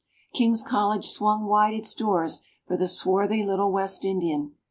King's College swung wide its doors for the swarthy little West Indian.